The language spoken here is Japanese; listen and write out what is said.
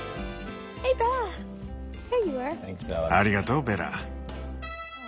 ありがとうベラ。